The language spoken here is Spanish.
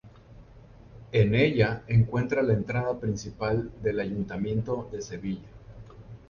En ella encuentra la entrada principal del Ayuntamiento de Sevilla.